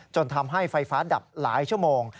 จนทำให้ไฟฟ้าดับหลายชั่วโมง